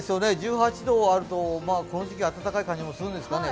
１８度あると暖かい感じがするんですかね。